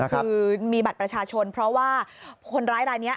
คือมีบัตรประชาชนเพราะว่าคนร้ายรายนี้